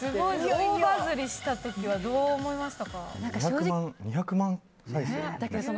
大バズりした時はどう思いましたか？